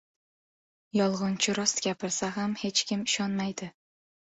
• Yolg‘onchi rost gapirsa ham hech kim ishonmaydi.